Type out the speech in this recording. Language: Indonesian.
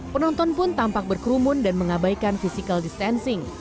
penonton pun tampak berkerumun dan mengabaikan physical distancing